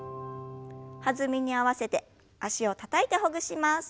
弾みに合わせて脚をたたいてほぐします。